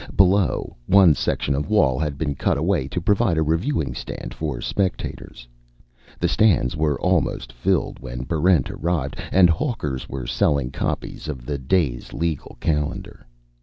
Below, one section of wall had been cut away to provide a reviewing stand for spectators. The stands were almost filled when Barrent arrived, and hawkers were selling copies of the day's legal calendar.